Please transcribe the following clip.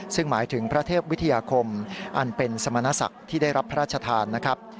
ซึ่งหมายถึงพระเทพวิทยาคมอันเป็นสมณศักดิ์ที่ได้รับพระราชทานนะครับ